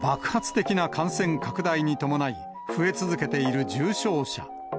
爆発的な感染拡大に伴い、増え続けている重症者。